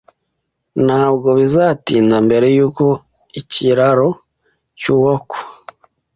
Ntabwo bizatinda mbere yuko ikiraro cyubakwa.